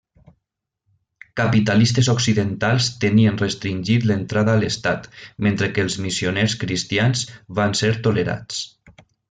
Capitalistes occidentals tenien restringit l'entrada a l'estat, mentre que els missioners cristians van ser tolerats.